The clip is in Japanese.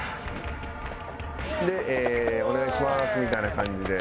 で「お願いします」みたいな感じで。